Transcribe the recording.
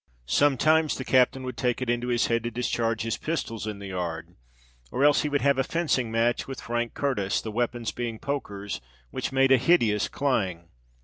Sometimes the captain would take it into his head to discharge his pistols in the yard: or else he would have a fencing match with Frank Curtis, the weapons being pokers, which made a hideous clang.